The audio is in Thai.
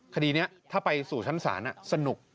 คดีนี้ถ้าไปสู่ชั้นศาลสนุก